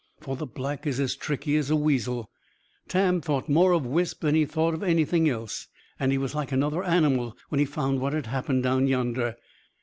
For the Black is as tricky as a weasel. Tam thought more of Wisp than he thought of anything else. And he was like another animal when he found what had happened, down yonder.